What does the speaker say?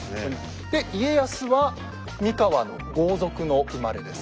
で家康は三河の豪族の生まれです。